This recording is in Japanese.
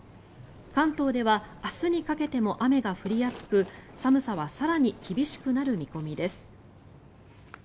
関東では明日にかけても雨が降りやすく寒さは更に厳しくなる見込みです。